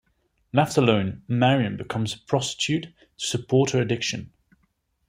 Left alone, Marion becomes a prostitute to support her addiction.